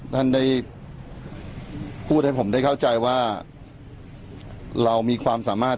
ท่านได้พูดให้ผมได้เข้าใจว่าเรามีความสามารถ